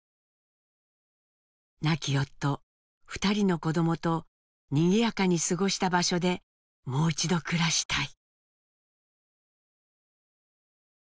亡き夫２人の子どもとにぎやかに過ごした場所でもう一度暮らしたい。